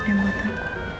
yang buat aku